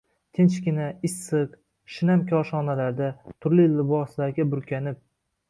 – “tinchgina”, issiq, shinam koshonalarda, turli liboslarga burkanib